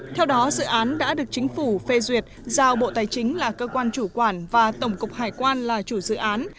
theo đó dự án đã được chính phủ phê duyệt giao bộ tài chính là cơ quan chủ quản và tổng cục hải quan là chủ dự án